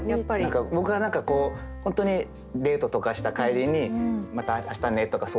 僕は何かこう本当にデートとかした帰りに「また明日ね」とかそういう。